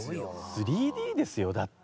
３Ｄですよだって。